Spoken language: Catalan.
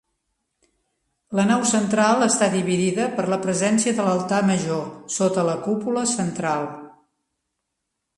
La nau central està dividida per la presència de l'altar major sota la cúpula central.